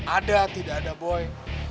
ada tidak ada boy